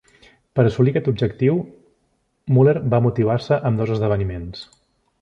Per assolir aquest objectiu. Müller va motivar-se amb dos esdeveniments.